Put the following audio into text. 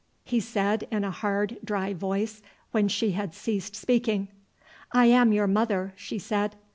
he said in a hard, dry voice when she had ceased speaking. "I am your mother," she said.